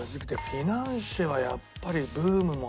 フィナンシェはやっぱりブームも。